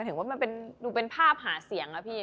ถึงว่ามันดูเป็นภาพหาเสียงอะพี่